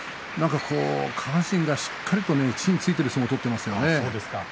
下半身がしっかりと地に着いている相撲を取っていますよね。